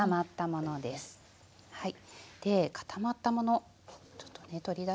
はい。